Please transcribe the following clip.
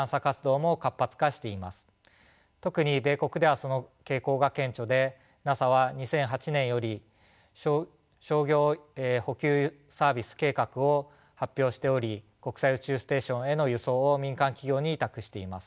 特に米国ではその傾向が顕著でＮＡＳＡは２００８年より商業補給サービス計画を発表しており国際宇宙ステーションへの輸送を民間企業に委託しています。